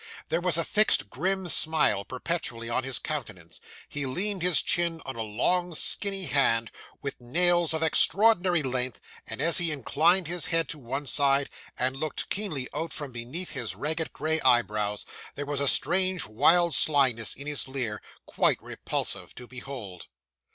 There was a fixed grim smile perpetually on his countenance; he leaned his chin on a long, skinny hand, with nails of extraordinary length; and as he inclined his head to one side, and looked keenly out from beneath his ragged gray eyebrows, there was a strange, wild slyness in his leer, quite repulsive to behold.